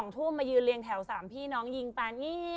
๒ทุ่มมายืนเรียงแถว๓พี่น้องยิงกัน